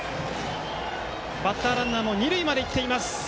バッターランナーも二塁まで行っています。